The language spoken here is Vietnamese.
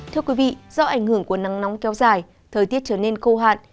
thưa quý vị do ảnh hưởng của nắng nóng kéo dài thời tiết trở nên khô hạn